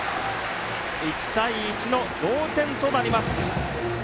１対１の同点となります。